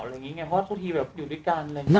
อย่างนี้ไงเพราะว่าทุกทีแบบอยู่ด้วยกันอะไรอย่างนี้